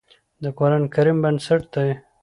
د قرآن کريم بنسټ دی